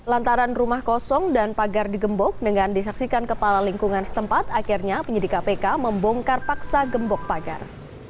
lantaran rumah kosong dan pagar digembok dengan disaksikan kepala lingkungan setempat akhirnya penyidik kpk membongkar paksa gembok pagar